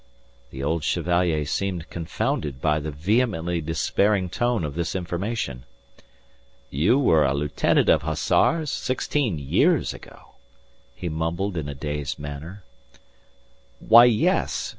The old Chevalier seemed confounded by the vehemently despairing tone of this information. "You were a lieutenant of Hussars sixteen years ago?" he mumbled in a dazed manner. "Why, yes!